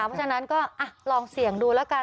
เพราะฉะนั้นก็ลองเสี่ยงดูแล้วกัน